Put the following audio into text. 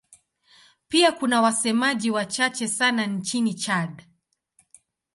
Pia kuna wasemaji wachache sana nchini Chad.